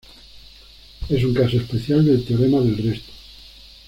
Es un caso especial del teorema del resto.